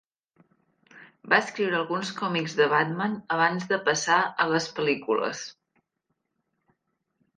Va escriure alguns còmics de Batman abans de passar a les pel·lícules.